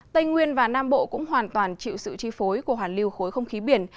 tây nguyên và nam bộ cũng hoàn toàn chịu sự chi phối của hoàn lưu khối không khí biển